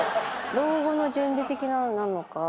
老後の準備的ななのか。